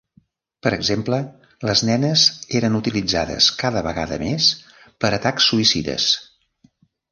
Per exemple, les nenes eren utilitzades cada vegada més per atacs suïcides.